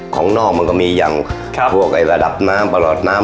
ของนอกมันก็มีอย่างพวกระดับน้ำประหลอดน้ำ